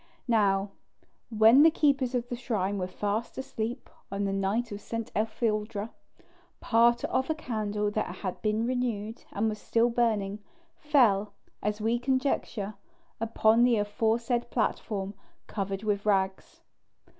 Now, when these keepers of the shrine were fast asleep, on the night of St. Etheldreda, part of a candle that had been renewed, and was still burning, fell, as we conjecture, upon the aforesaid platform covered with rags.